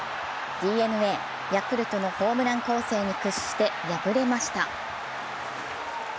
ＤｅＮＡヤクルトのホームラン攻勢に屈して敗れました。